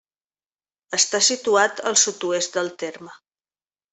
Està situat al sud-oest del terme.